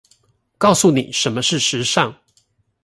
告訴妳什麼是時尚